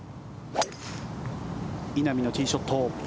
稲見のティーショット。